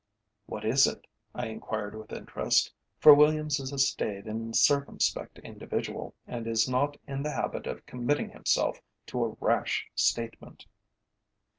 "What is it?" I enquired with interest, for Williams is a staid and circumspect individual, and is not in the habit of committing himself to a rash statement.